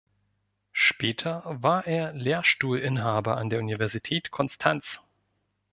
Später war er Lehrstuhlinhaber an der Universität Konstanz.